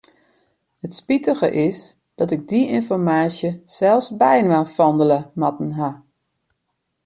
It spitige is dat ik dy ynformaasje sels byinoar fandelje moatten haw.